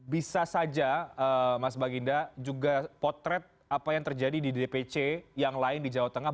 bisa saja mas baginda juga potret apa yang terjadi di dpc yang lain di jawa tengah